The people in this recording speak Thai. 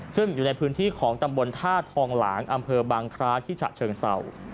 ซึ่งอยู่ในพื้นที่ของตำบลท่าทองหลางอำเภอบางคร้าที่ฉะเชิงเศร้า